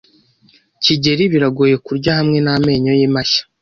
kigeli biragoye kurya hamwe n amenyo ye mashya.